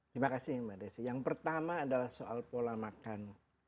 terima kasih mbak desi yang pertama adalah soal pola makan